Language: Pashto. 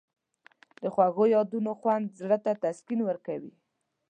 د خوږو یادونو خوند زړه ته تسکین ورکوي.